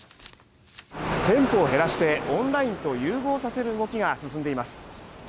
店舗を減らしてオンラインと融合させる動きが進んでいます。